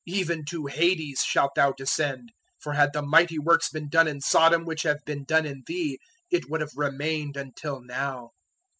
Even to Hades shalt thou descend. For had the mighty works been done in Sodom which have been done in thee, it would have remained until now.